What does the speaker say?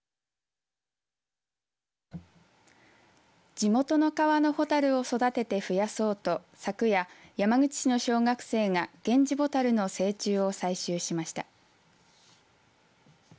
地元の川のホタルを育てて増やそうと昨夜、山口市の小学生がゲンジボタルの成虫を採集しました。